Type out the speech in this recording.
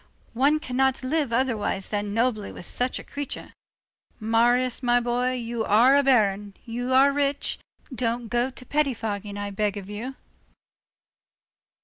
one cannot live otherwise than nobly with such a creature. Marius, my boy, you are a Baron, you are rich, don't go to pettifogging, I beg of you."